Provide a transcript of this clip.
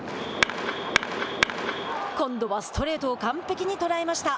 今度はストレートを完璧に捉えました。